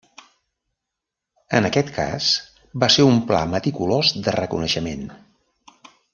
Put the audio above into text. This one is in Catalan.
En aquest cas va ser un pla meticulós de reconeixement.